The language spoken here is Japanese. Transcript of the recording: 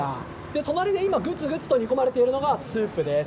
隣でぐつぐつと煮込まれているのはスープです。